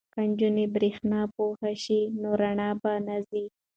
که نجونې بریښنا پوهې شي نو رڼا به نه ځي.